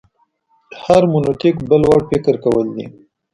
هرمنوتیک بل وړ فکر کول دي.